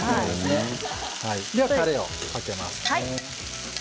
では、たれをかけます。